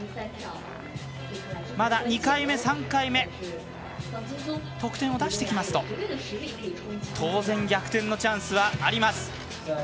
まだ２回目、３回目得点を出してきますと当然、逆転のチャンスはあります。